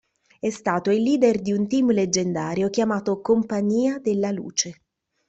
È stato il leader di un team leggendario chiamato "Compagnia della Luce".